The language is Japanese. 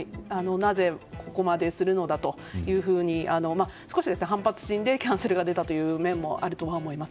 なぜここまでするのだというふうに少し反発心でキャンセルが出た面もあると思います。